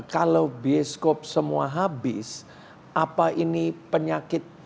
kalau bioskop semua habis apa ini penyakit